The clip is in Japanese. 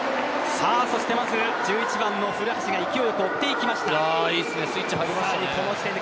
１１番の古橋が勢いよく追っていきました。